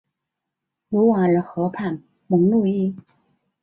卢瓦尔河畔蒙路易。